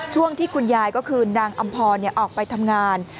ช่วงที่คุณยายก็คือนางอำพรออกไปทำงาน